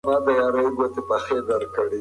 خوب د بدن ترمیم دی.